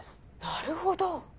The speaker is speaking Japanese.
なるほど。